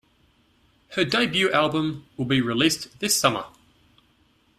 Her debut album will be released this summer.